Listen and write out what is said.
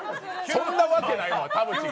そんなわけないわ、田渕が。